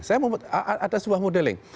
saya membuat ada sebuah modeling